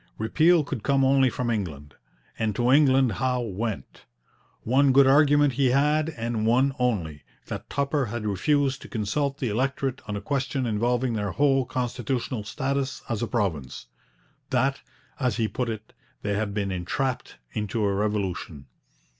Repeal could come only from England, and to England Howe went. One good argument he had, and one only, that Tupper had refused to consult the electorate on a question involving their whole constitutional status as a province; that, as he put it, they had been entrapped into a revolution.